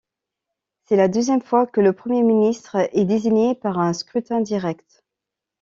C'est la deuxième fois que le Premier ministre est désigné par un scrutin direct.